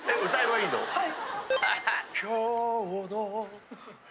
はい。